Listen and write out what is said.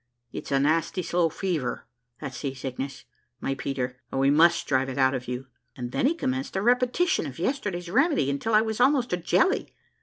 "It's a nasty slow fever, that sea sickness, my Peter, and we must drive it out of you;" and then he commenced a repetition of yesterday's remedy until I was almost a jelly.